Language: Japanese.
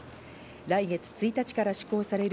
来月１日から施行される